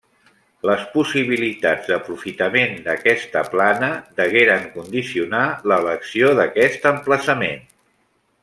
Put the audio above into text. Les possibilitats d'aprofitament d'aquesta plana degueren condicionar l'elecció d'aquest emplaçament.